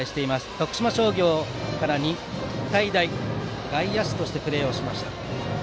徳島商業から日体大外野手としてプレーをしました。